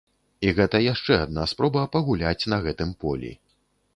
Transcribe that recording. І гэта яшчэ адна спроба пагуляць на гэтым полі.